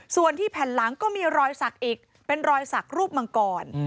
ส่วนที่แผ่นหลังก็มีรอยสักอีกเป็นรอยสักรูปมังกร